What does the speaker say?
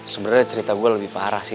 sebenarnya cerita gue lebih parah sih